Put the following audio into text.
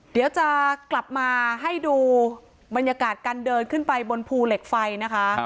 เดี๋ยวจะกลับมาให้ดูบรรยากาศการเดินขึ้นไปบนภูเหล็กไฟนะคะ